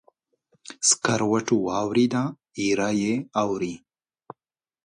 سکروټو واوریده، ایره یې اوري